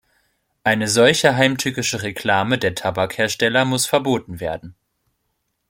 Eine solche heimtückische Reklame der Tabakhersteller muss verboten werden.